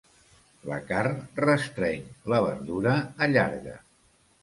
La carn restreny; la verdura allarga.